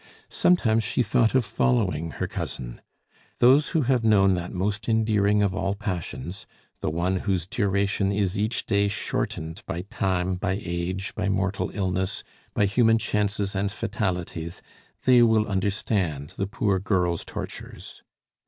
Sometimes she thought of following her cousin. Those who have known that most endearing of all passions, the one whose duration is each day shortened by time, by age, by mortal illness, by human chances and fatalities, they will understand the poor girl's tortures.